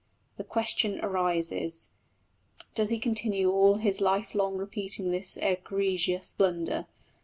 The question arises: Does he continue all his life long repeating this egregious blunder?